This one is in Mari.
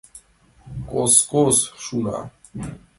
Кос-кос! — шуна.